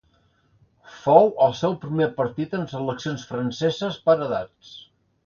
Fou el seu primer partit amb seleccions franceses per edats.